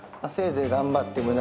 せいぜい頑張って。